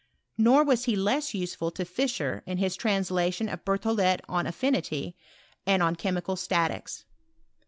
Nor was he less useful to Fischer in his translation of BerthoUet on AfRnily and on Che mical Statics.